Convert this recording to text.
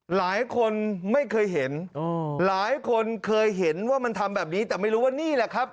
หลายคนไม่เคยเห็นหลายคนเคยเห็นว่ามันทำแบบนี้แต่ไม่รู้ว่านี่แหละครับ